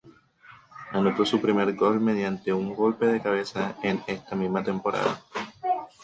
Anotó su primer gol mediante un golpe de cabeza en esta misma temporada.